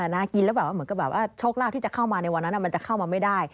น่ากินแล้วแบบว่าเหมือนกับแบบว่าโชคลาภที่จะเข้ามาในวันนั้นมันจะเข้ามาไม่ได้